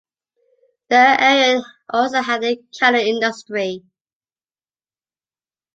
The area also had a cattle industry.